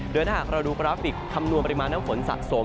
เดียวถ้าเราดูกราฟิกคำนวมริมาณนำฝนสะสม